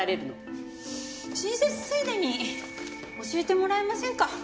親切ついでに教えてもらえませんか？